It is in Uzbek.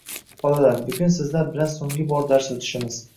Bolalar, bugun sizlar bilan so`nggi bor dars o`tishimiz